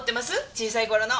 小さい頃の。